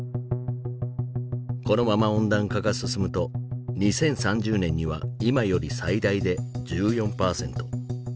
このまま温暖化が進むと２０３０年には今より最大で１４％